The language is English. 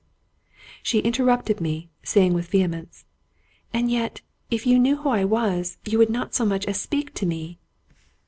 Suddenly she inter rupted me, saying with vehemence — "And yet, if you knew who I was, you would not so much as speak to me!